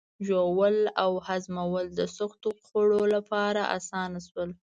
ژوول او هضمول د سختو خوړو لپاره آسانه شول.